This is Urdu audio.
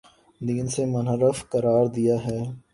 دین سے منحرف قرار دیا ہے